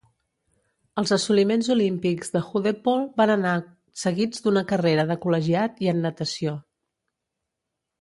Els assoliments olímpics de Hudepohl van anar seguits d'una carrera de col·legiat i en natació.